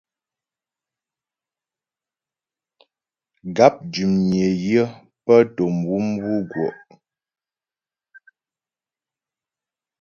Gáp dʉmnyə yə pə́ tò mwǔmwù mgwɔ'.